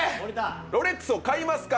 ロレックスを買いますか？